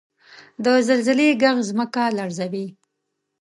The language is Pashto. • د زلزلې ږغ ځمکه لړزوي.